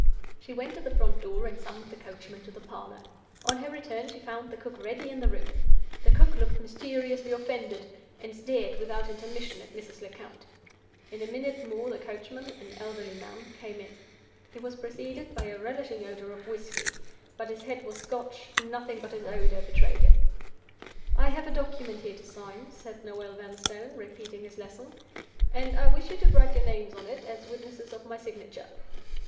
She went to the front door, and summoned the coachman to the parlor. On her return, she found the cook already in the room. The cook looked mysteriously offended, and stared without intermission at Mrs. Lecount. In a minute more the coachman—an elderly man—came in. He was preceded by a relishing odor of whisky; but his head was Scotch; and nothing but his odor betrayed him. "I have a document here to sign," said Noel Vanstone, repeating his lesson; "and I wish you to write your names on it, as witnesses of my signature."